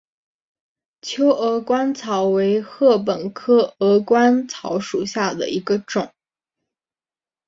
秋鹅观草为禾本科鹅观草属下的一个种。